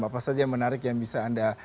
apa saja yang menarik yang bisa anda